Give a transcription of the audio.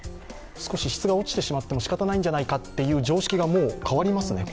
少し質が落ちてしまってもしかたないんじゃないかという常識が、変わりますね。